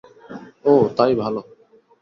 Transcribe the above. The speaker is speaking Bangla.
ওঃ, তাই ভালো।